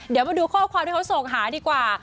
เดี๋ยวมาดูข้อความที่เขาส่งหาดีกว่า